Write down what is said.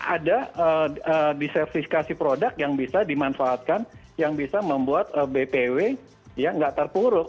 ada diservisikasi produk yang bisa dimanfaatkan yang bisa membuat bpw yang tidak terpuruk